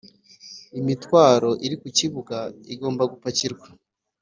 imitwaro iri ku kibuga igomba gupakirwa